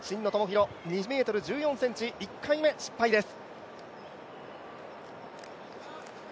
２ｍ１４ｃｍ、１回目失敗です。